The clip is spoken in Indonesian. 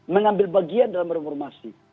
mengambil bagian dalam reformasi